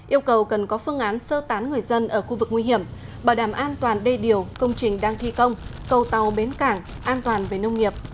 yêu cầu cần có phương án sơ tán người dân ở khu vực nguy hiểm bảo đảm an toàn đê điều công trình đang thi công cầu tàu bến cảng an toàn về nông nghiệp